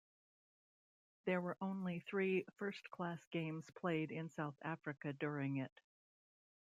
There were only three first-class games played in South Africa during it.